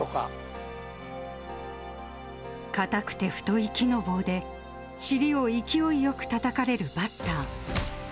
硬くて太い木の棒で、尻を勢いよくたたかれるバッター。